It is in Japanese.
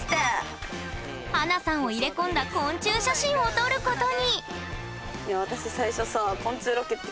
華さんを入れ込んだ昆虫写真を撮ることに！